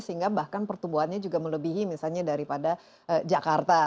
sehingga bahkan pertumbuhannya juga melebihi misalnya daripada jakarta